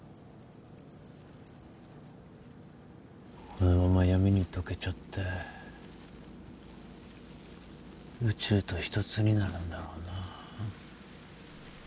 このまま闇に溶けちゃって宇宙と一つになるんだろうな。